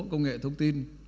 công nghệ thông tin